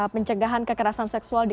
pencegahan kekerasan seksual di